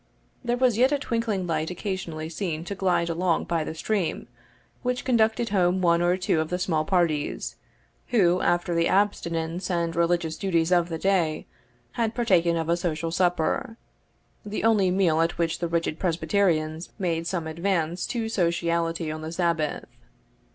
There was yet a twinkling light occasionally seen to glide along by the stream, which conducted home one or two of the small parties, who, after the abstinence and religious duties of the day, had partaken of a social supper the only meal at which the rigid Presbyterians made some advance to sociality on the Sabbath.